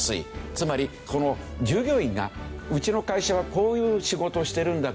つまりこの従業員がうちの会社はこういう仕事をしてるんだけどどう？